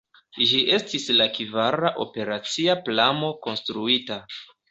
Ĝi estis la kvara operacia pramo konstruita.